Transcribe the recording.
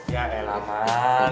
ya elah man